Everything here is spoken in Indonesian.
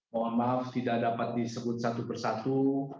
mohon maaf tidak dapat disebut satu persatu